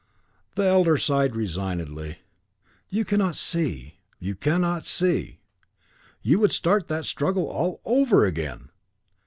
The Elder sighed resignedly. "You cannot see you cannot see. You would start that struggle all over again!"